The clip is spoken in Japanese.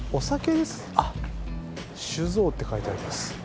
酒造って書いてあります。